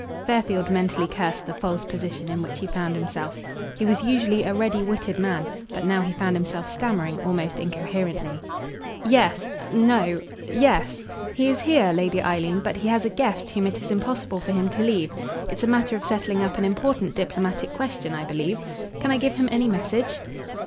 Fairfield mentally cursed the false position in which he found himself. He was usually a ready witted man, but now he found himself stammering almost incoherently. "Yes no yes. He is here, Lady Eileen, but he has a guest whom it is impossible for him to leave. It's a matter of settling up an important diplomatic question, I believe. Can I give him any message?"